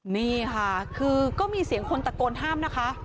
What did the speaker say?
นี่ค่ะคือก็มีเสียงคนตะโกนห้ามนะคะ